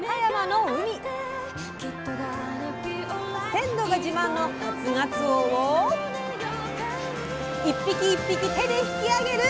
鮮度が自慢の初がつおを一匹一匹手で引き揚げる